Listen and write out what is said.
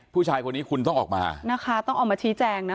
ผู้ชายคนนี้คุณต้องออกมานะคะต้องออกมาชี้แจงนะคะ